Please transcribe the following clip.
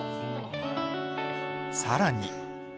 さらに。